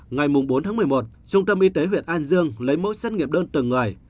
ngày bốn tháng một mươi một trung tâm y tế huyện an dương lấy mẫu xét nghiệm đơn từng người